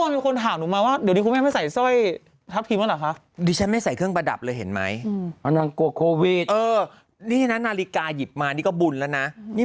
มีคลิปในนักฝนคุณแม่โคหม่าไปหมดคนถามหนูมาว่าเดี๋ยวที่คุณแม่